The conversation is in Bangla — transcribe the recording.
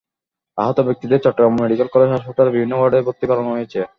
আহত ব্যক্তিদের চট্টগ্রাম মেডিকেল কলেজ হাসপাতালের বিভিন্ন ওয়ার্ডে ভর্তি করানো হয়েছে।